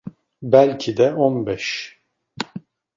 Belki de on beş.